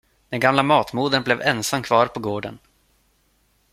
Den gamla matmodern blev ensam kvar på gården.